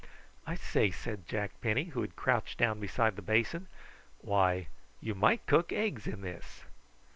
"I say," said Jack Penny, who had crouched down beside the basin, "why, you might cook eggs in this."